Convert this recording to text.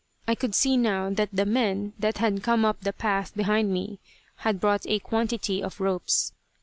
I could see now that the men that had come up the path behind me had brought a quantity of ropes.